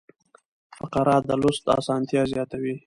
فقره د لوست اسانتیا زیاتوي.